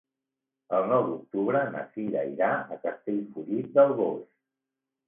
El nou d'octubre na Cira irà a Castellfollit del Boix.